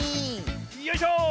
よいしょ！